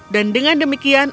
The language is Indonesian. dan dengan demikian